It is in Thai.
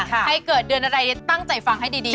ให้เกิดเดือนอะไรตั้งใจฟังให้ดี